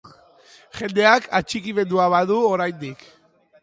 Jendeak atxikimendua badu oraindik.